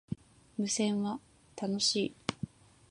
無線は、楽しい